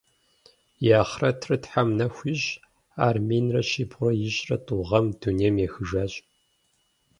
И ахърэтыр Тхьэм нэху ищӏ, ар минрэ щибгъурэ ищӏрэ тӏу гъэм дунейм ехыжащ.